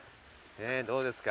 どうですか？